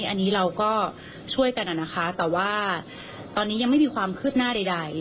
อันนี้เราก็ช่วยกันนะคะแต่ว่าตอนนี้ยังไม่มีความคืบหน้าใด